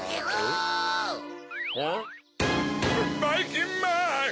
ばいきんまん！